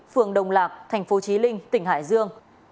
phường đồng lạc thành phố trí linh tỉnh hải dương